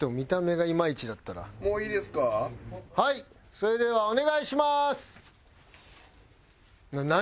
それではお願いします！